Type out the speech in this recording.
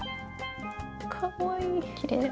かわいい。